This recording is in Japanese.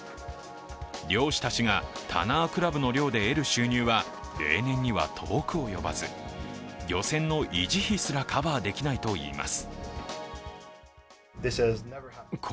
漁師たちがタナークラブの漁で得る収入は例年には遠く及ばず、漁船の維持費すらカバーできないといいます。